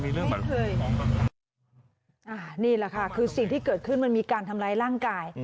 นี่แหละค่ะคือสิ่งที่เกิดขึ้นมันมีการทำร้ายร่างกาย